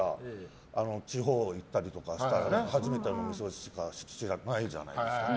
地方に行ったりとかしたら初めての店しかないじゃないですか。